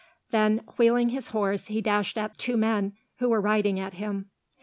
Then, wheeling his horse, he dashed at two men who were riding at him.